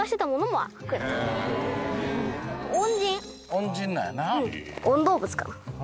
恩人なんやな。